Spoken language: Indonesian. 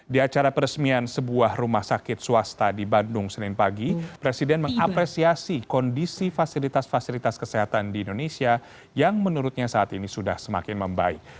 di acara peresmian sebuah rumah sakit swasta di bandung senin pagi presiden mengapresiasi kondisi fasilitas fasilitas kesehatan di indonesia yang menurutnya saat ini sudah semakin membaik